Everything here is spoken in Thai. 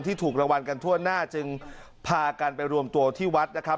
ถูกรางวัลกันทั่วหน้าจึงพากันไปรวมตัวที่วัดนะครับ